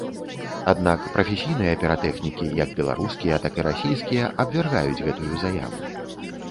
Аднак прафесійныя піратэхнікі як беларускія, так і расійскія абвяргаюць гэтую заяву.